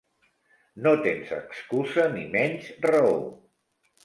No tens excusa ni menys raó.